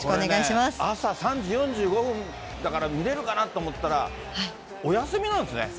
これね、朝３時４５分だから見れるかなと思ったら、お休みなんですね。